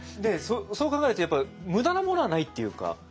そう考えるとやっぱ無駄なものはないっていうか。